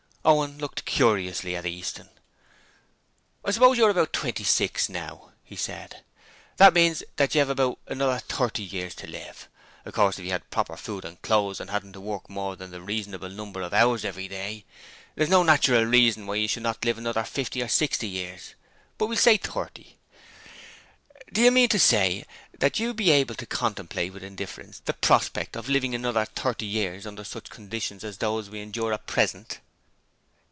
Owen looked curiously at Easton. 'I suppose you're about twenty six now,' he said. 'That means that you have about another thirty years to live. Of course, if you had proper food and clothes and hadn't to work more than a reasonable number of hours every day, there is no natural reason why you should not live for another fifty or sixty years: but we'll say thirty. Do you mean to say that you are able to contemplate with indifference the prospect of living for another thirty years under such conditions as those we endure at present?'